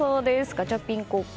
ガチャピン効果。